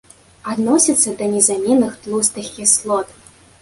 Адносіцца да незаменных тлустых кіслот.